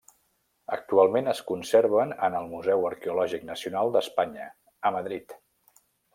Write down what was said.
Actualment es conserven en el Museu Arqueològic Nacional d'Espanya a Madrid.